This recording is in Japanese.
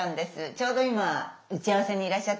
ちょうど今打ち合わせにいらっしゃったので。